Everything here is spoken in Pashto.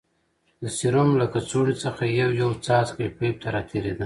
د سيروم له کڅوړې څخه يو يو څاڅکى پيپ ته راتېرېده.